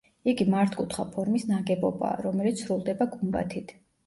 იგი მართკუთხა ფორმის ნაგებობაა, რომელიც სრულდება გუმბათით.